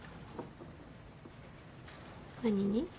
何に？